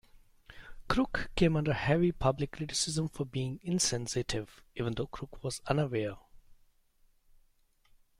Kruk came under heavy public criticism for being insensitive, even though Kruk was unaware.